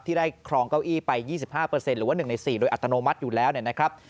ได้ครองเก้าอี้ไป๒๕หรือว่า๑ใน๔โดยอัตโนมัติอยู่แล้วนะครับ